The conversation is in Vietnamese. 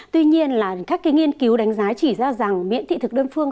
tuy nhiên là các nghiên cứu đánh giá chỉ ra rằng miễn thị thực đơn phương